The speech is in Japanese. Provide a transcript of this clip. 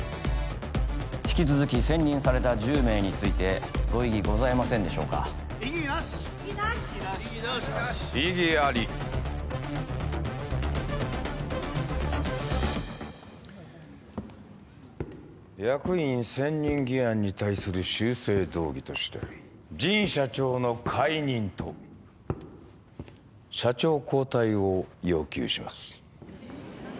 引き続き選任された１０名についてご異議ございませんでしょうか異議なし異議あり役員選任議案に対する修正動議として神社長の解任と社長交代を要求します